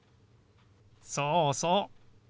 そうそう。